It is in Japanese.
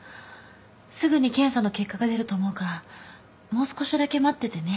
すぐに検査の結果が出ると思うからもう少しだけ待っててね。